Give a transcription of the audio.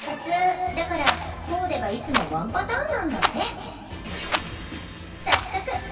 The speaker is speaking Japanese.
だからコーデがいつもワンパターンなんだって。